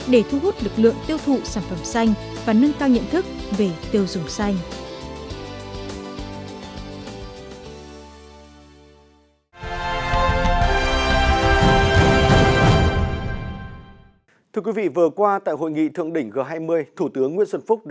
để thu hút lực lượng tiêu thụ sản phẩm xanh và nâng cao nhận thức về tiêu dùng xanh